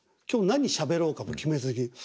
今日何しゃべろうかも決めずに。